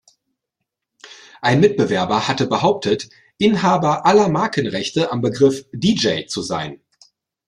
Ein Mitbewerber hatte behauptet, Inhaber aller Markenrechte am Begriff „Deejay“ zu sein.